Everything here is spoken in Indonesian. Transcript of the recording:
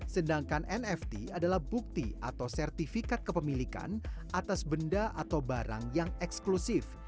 sedangkan nft adalah bukti atau sertifikat kepemilikan atas benda atau barang yang eksklusif